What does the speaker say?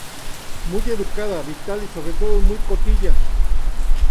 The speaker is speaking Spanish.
Muy educada, vital y sobre todo muy cotilla.